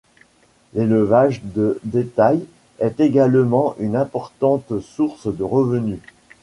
L’élevage de bétail est également une importante source de revenus.